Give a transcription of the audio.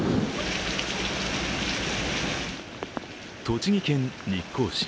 栃木県日光市。